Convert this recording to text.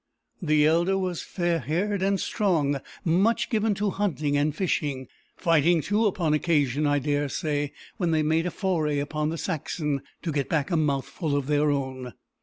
The elder was fair haired and strong, much given to hunting and fishing; fighting too, upon occasion, I dare say, when they made a foray upon the Saxon, to get back a mouthful of their own.